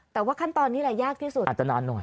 แต่ว่าขั้นตอนนี้แหละยากที่สุดอาจจะนานหน่อย